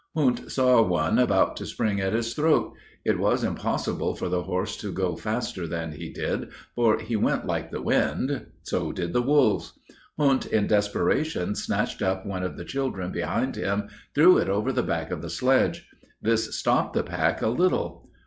Hund saw one about to spring at his throat. It was impossible for the horse to go faster than he did, for he went like the wind so did the wolves. Hund in desperation, snatched up one of the children behind him, and threw it over the back of the sledge. This stopped the pack a little.